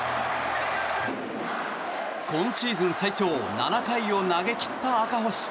今シーズン最長７回を投げ切った赤星。